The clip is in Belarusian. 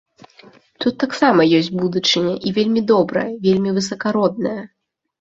Тут таксама ёсць будучыня і вельмі добрая, вельмі высакародная.